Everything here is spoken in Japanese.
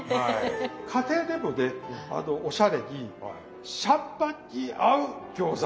家庭でもねおしゃれにシャンパンに合う餃子。